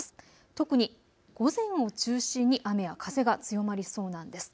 特に午前を中心に雨や風が強まりそうなんです。